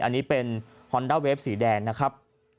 อันนี้เป็นฮอนด้าเวฟสีแดงนะครับ